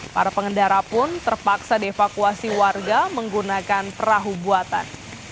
para pengendara pun terpaksa dievakuasi warga menggunakan perahu buatan